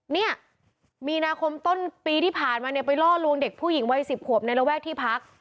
เนี่ยมีนาคมต้นปีที่ผ่านมาเนี่ยไปล่อลวงเด็กผู้หญิงวัย๑๐ขวบในระแวกที่พัก